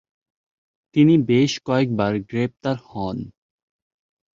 তিনি বেশ কয়েকবার গ্রেফতার হন।